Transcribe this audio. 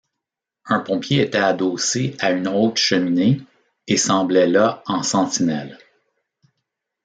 Un pompier était adossé à une haute cheminée et semblait là en sentinelle.